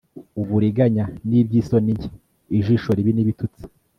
uburiganya n iby isoni nke ijisho ribi n ibitutsi